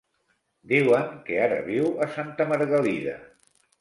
Diuen que ara viu a Santa Margalida.